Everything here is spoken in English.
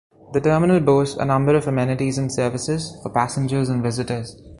The terminal "boasts" a number of amenities and services for passengers and visitors.